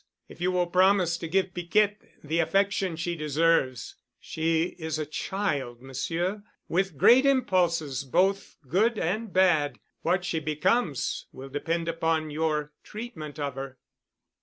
If you will promise to give Piquette the affection she deserves. She is a child, Monsieur, with great impulses—both good and bad—what she becomes will depend upon your treatment of her."